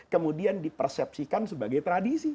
kemudian di persepsikan sebagai tradisi